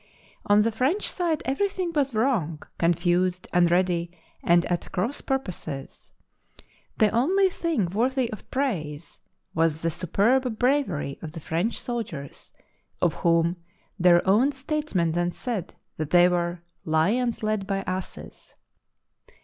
On the French side everything was wrong, confused, unready, and at cross purposes. The only thing worthy of praise was the superb bravery of the French soldiers, of whom their own statesmen then said that they were " lions led by asses